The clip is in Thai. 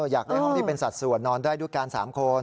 อยากได้ห้องที่เป็นสัดส่วนนอนได้ด้วยกัน๓คน